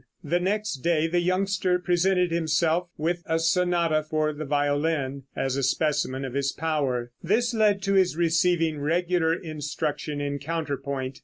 The next day the youngster presented himself with a sonata for the violin, as a specimen of his power; this led to his receiving regular instruction in counterpoint.